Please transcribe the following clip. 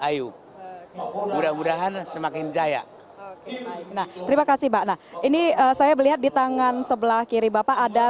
ayu mudah mudahan semakin jaya terima kasih bapak ini saya melihat di tangan sebelah kiri bapak ada